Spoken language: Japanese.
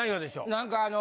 何かあの。